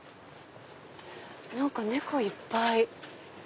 何か猫いっぱい。